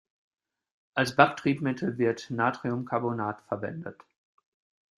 Als Backtriebmittel wird Natriumcarbonat verwendet.